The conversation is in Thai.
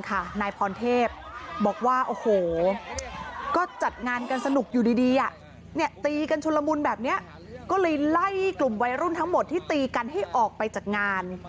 ก็เลยไล่กลุ่มวัยรุ่นทั้งหมดที่ตีกันให้ออกไปจากงาน